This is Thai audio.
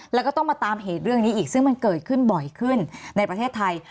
แล้วก็ต้องมาตามเหตุเรื่องนี้อีกซึ่งมันเกิดขึ้นบ่อยขึ้นในประเทศไทย